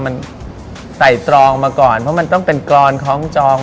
มันไต่ตรองมาก่อนเพราะมันต้องเป็นกรอนคล้องจอง